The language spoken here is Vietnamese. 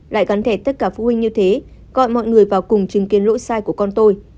lại gắn thẻ tất cả phụ huynh như thế gọi mọi người vào cùng chứng kiến lỗi sai của con tôi